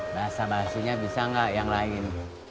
basah basihnya bisa gak yang lain